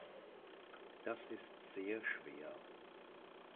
Das ist sehr schwer.